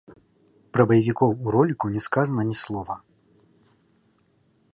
Пра баевікоў у роліку не сказана ні слова.